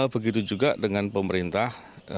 begitu juga dengan pemerintah